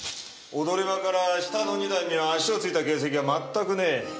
踊り場から下の２段には足をついた形跡がまったくねえ。